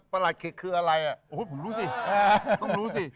ประหลัดขิกคืออะไรผมรู้สิต้องรู้สิ